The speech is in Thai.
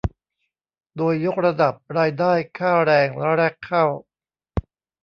โดยยกระดับรายได้ค่าแรงแรกเข้า